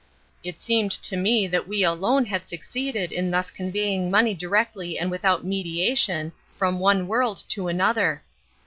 It seemed to me that we alone had succeeded in thus conveying money directly and without mediation, from one world to another.